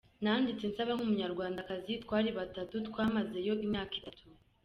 Nanditse nsaba nk’Umunyarwandakazi, twari batatu twamazeyo imyaka itatu.